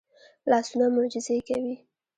لاسونه معجزې کوي